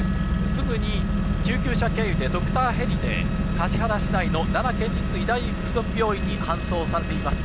すぐに救急車経由で、ドクターヘリで、橿原市内の奈良県立医大附属病院に搬送されています。